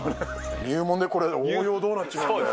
入門でこれ、応用どうなっちゃうんだよ。